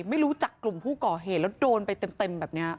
ไม่รู้จักกลุ่มผู้ก่อเหตุแล้วโดนไปเต็มแบบนี้